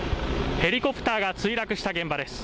ヘリコプターが墜落した現場です。